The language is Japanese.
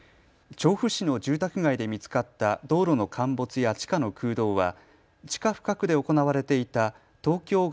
調布市の住宅街で見つかった道路の陥没や地下の空洞は地下深くで行われていた東京外